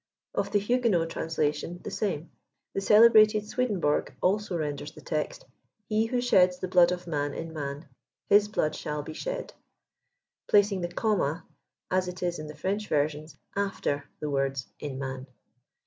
Of the Huguenot translation, the same. The celebi^ated Swedenborg, also renders the text, " He who sheds the blood of man in man, his blood shall be shed ;" placing the comma, as it is in the French versions, a/3f«r the words "in man."